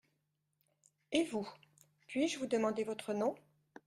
Et vous, puis-je vous demander votre nom ?